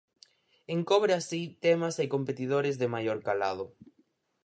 Encobre así temas e competidores de maior calado.